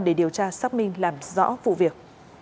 để điều tra xác minh làm rõ vụ việc